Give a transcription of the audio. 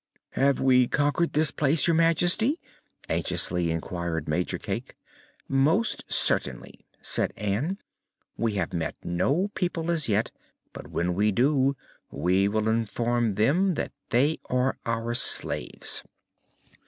"Have we conquered this place, Your Majesty?" anxiously inquired Major Cake. "Most certainly," said Ann. "We have met no people, as yet, but when we do, we will inform them that they are our slaves."